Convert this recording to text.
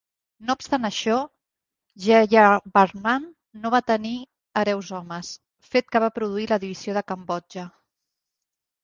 No obstant això, Jayavarman no va tenir hereus homes, fet que va produir la divisió de Cambodja.